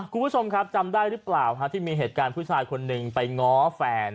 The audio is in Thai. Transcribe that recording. คุณผู้ชมครับจำได้หรือเปล่าที่มีเหตุการณ์ผู้ชายคนหนึ่งไปง้อแฟน